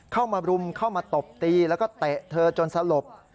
เข้ามารุมเข้ามาตบตีแล้วก็เตะเธอจนสลบ